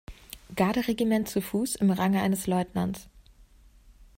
Garde-Regiment zu Fuß im Range eines Leutnants.